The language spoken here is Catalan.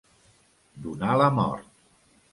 Donar la mort.